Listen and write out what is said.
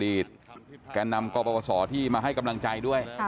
อดีตแกนนำกรประวัติศาสตร์ที่มาให้กำลังใจด้วย